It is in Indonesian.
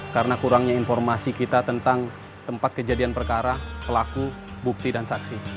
karena kurangnya informasi kita tentang tempat kejadian perkara pelaku bukti dan saksi